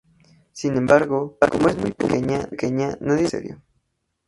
Sin embargo, como es muy pequeña, nadie la toma en serio.